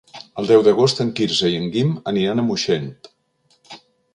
El deu d'agost en Quirze i en Guim aniran a Moixent.